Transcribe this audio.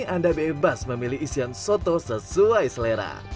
anda bebas memilih isian soto sesuai selera